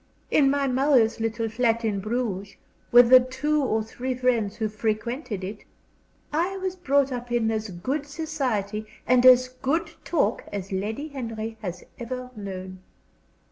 In my mother's little flat in Bruges, with the two or three friends who frequented it, I was brought up in as good society and as good talk as Lady Henry has ever known."